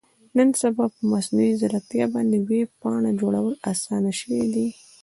نن سبا په مصنوي ځیرکتیا باندې ویب پاڼه جوړول اسانه شوي دي.